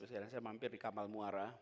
sekarang saya mampir di kamal muara